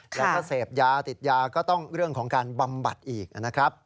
แล้วก็เสพยาติดยาก็ต้องเรื่องของการบำบัดอีกนะครับ